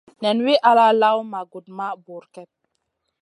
Nen wi ala lawna ma gudmaha bur kep.